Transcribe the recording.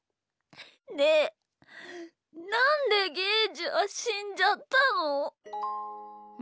ねえなんでゲージはしんじゃったの？